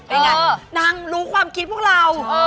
เป็นไงนางรู้ความคิดพวกเรา